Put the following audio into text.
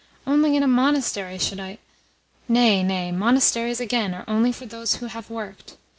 Only in a monastery should I " "Nay, nay. Monasteries, again, are only for those who have worked.